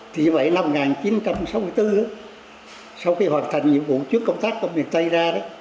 thì vậy năm một nghìn chín trăm sáu mươi bốn sau khi hoàn thành nhiệm vụ chuyến công tác trong miền tây ra đó